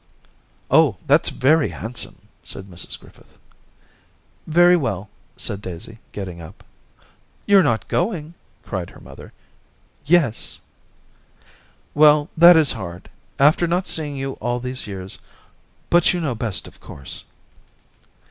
' Oh, that's very handsome !' said Mrs Griffith. ' Very well/ said Daisy, getting up. * YouVe not going ?' cried her mother. ' Yes.' * Well, that is hard. After not seeing you all these years. But you know best, of course